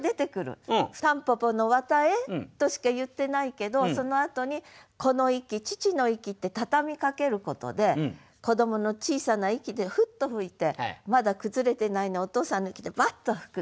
「たんぽぽの絮へ」としか言ってないけどそのあとに「子の息父の息」って畳みかけることで子どもの小さな息でフッと吹いてまだ崩れてないのをお父さんの息でバッと吹くと。